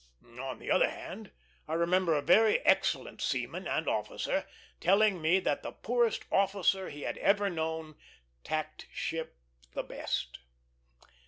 On the other hand, I remember a very excellent seaman and officer telling me that the poorest officer he had ever known tacked ship the best.